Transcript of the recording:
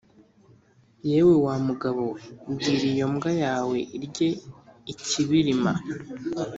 yewe wa mugabo we, bwira iyo mbwa yawe irye ikibirima